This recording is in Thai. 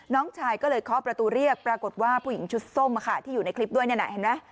น้องชายก็เลยเคาะประตูเรียกปรากฏว่าผู้หญิงชุดส้มที่อยู่ในคลิปด้วยนั่นน่ะเห็นไหม